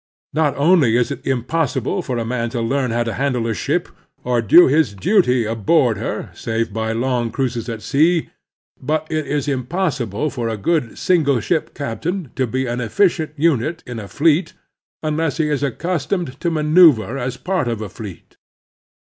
Not only is it impossible for a man to learn how to handle a ship or do his duty aboard her save by long cruises at sea, but it is also impossible for a a good single ship captain to be an efficient unit in a fleet imless he is accustomed to maneuver as part of a fleet.